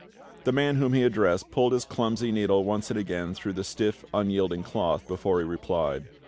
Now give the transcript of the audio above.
The man whom he addressed pulled his clumsy needle once and again through the stiff unyielding cloth before he replied.